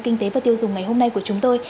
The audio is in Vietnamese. kinh tế và tiêu dùng ngày hôm nay của chúng tôi